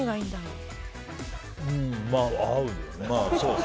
うーん、まあ合うよね。